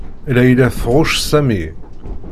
Layla tɣucc Sami.